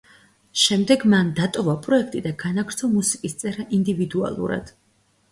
შემდეგ მან დატოვა პროექტი და განაგრძო მუსიკის წერა ინდივიდუალურად.